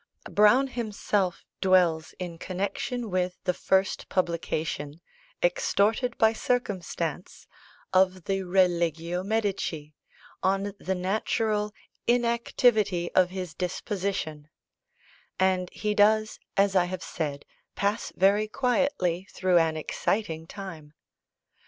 Browne himself dwells, in connexion with the first publication (extorted by circumstance) of the Religio Medici, on the natural "inactivity of his disposition"; and he does, as I have said, pass very quietly through an exciting time.